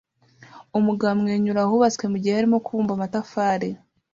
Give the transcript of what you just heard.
umugabo amwenyura ahubatswe mugihe arimo kubumba amatafari